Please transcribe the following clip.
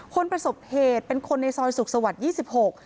คนประสบเหตุเป็นคนในซอยสุขสวรรค์๒๖